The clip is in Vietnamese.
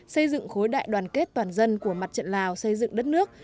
xây dựng khối đại đoàn kết toàn dân của mặt trận lào xây dựng đất nước